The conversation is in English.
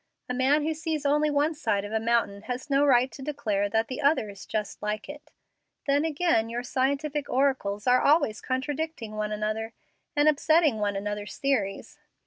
A man who sees only one side of a mountain has no right to declare that the other is just like it. Then again your scientific oracles are always contradicting one another, and upsetting one another's theories.